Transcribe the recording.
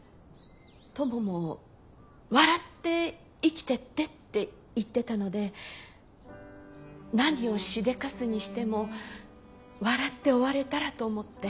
トモも笑って生きてってって言ってたので何をしでかすにしても笑って終われたらと思って。